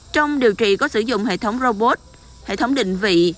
trong điều trị có sử dụng hệ thống robot hệ thống định vị